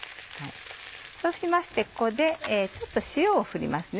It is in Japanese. そうしましてここでちょっと塩を振りますね。